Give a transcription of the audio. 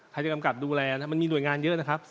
จะกำกับดูแลมันมีหน่วยงานเยอะนะครับ